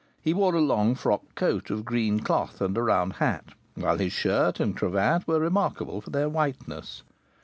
He wore a long frock coat of green cloth, and a round hat; whilst his shirt and cravat were remarkable for their whiteness.